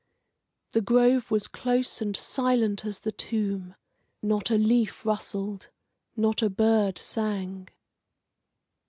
The grove was close and silent as the tomb; not a leaf rustled, not a bird sang.